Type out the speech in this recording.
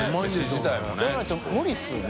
きむ）じゃないと無理ですよね？